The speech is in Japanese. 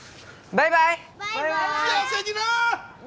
バイバイ！